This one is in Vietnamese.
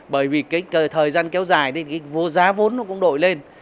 bởi vì cái thời gian kéo dài thì cái giá vốn nó cũng đổi lên